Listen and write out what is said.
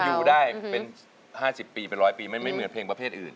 มันจะอยู่ได้เป็น๕๐๑๐๐ปีมันไม่เหมือนเพลงประเภทอื่น